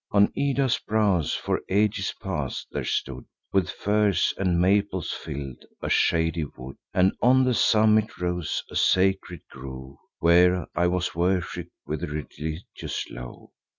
On Ida's brows, for ages past, there stood, With firs and maples fill'd, a shady wood; And on the summit rose a sacred grove, Where I was worship'd with religious love.